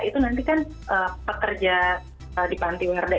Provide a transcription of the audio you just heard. itu nanti kan pekerja di panti werda